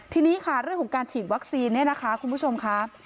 ทีนี้ค่ะเรื่องของการฉีดวัคซีนเนี่ยนะคะคุณผู้ชมค่ะ